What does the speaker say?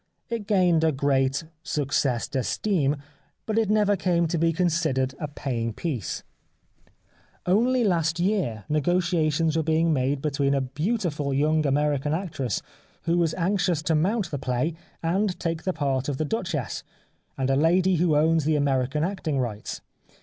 It gained a great succes d'estime, but it never came to be considered a paying piece. Only last year 235 The Life of Oscar Wilde negotiations were being made between a beauti ful young American actress, who was anxious to mount the play and take the part of the Duchess, and a lady who owns the American acting rights.